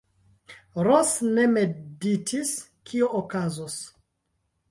Ros ne meditis, kio okazos.